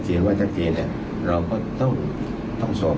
และก็ไม่ได้ยัดเยียดให้ทางครูส้มเซ็นสัญญา